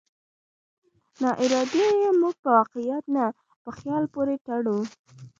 ناارادي يې موږ په واقعيت نه، په خيال پورې تړو.